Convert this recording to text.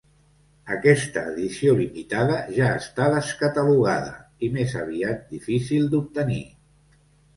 Aquest edició limitada ja està descatalogada i més aviat difícil d'obtenir.